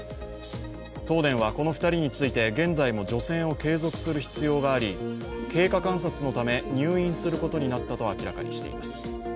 東電はこの２人について、現在も除染を継続する必要があり、経過観察のため、入院することになったと明らかにしています。